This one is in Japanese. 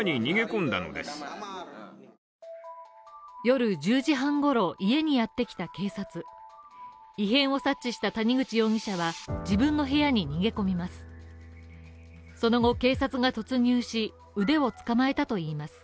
夜１０時半頃、家にやってきた警察異変を察知した谷口容疑者は自分の部屋に逃げ込みます。